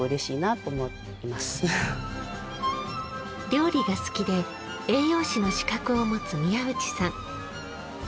料理が好きで栄養士の資格を持つ宮内さん。